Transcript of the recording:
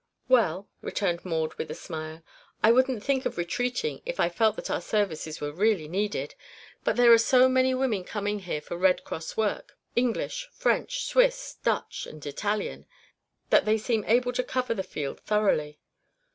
"Well," returned Maud with a smile, "I wouldn't think of retreating if I felt that our services were really needed, but there are so many women coming here for Red Cross work English, French, Swiss, Dutch and Italian that they seem able to cover the field thoroughly."